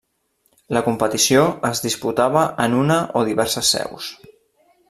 La competició es disputava en una o diverses seus.